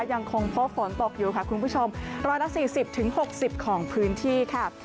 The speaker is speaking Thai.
ยังคงพบฝนตกอยู่ค่ะคุณผู้ชม๑๔๐๖๐ของพื้นที่ค่ะ